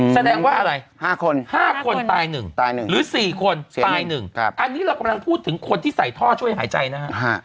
แสดงว่าอะไร๕คน๕คนตาย๑ตาย๑หรือ๔คนตาย๑อันนี้เรากำลังพูดถึงคนที่ใส่ท่อช่วยหายใจนะฮะ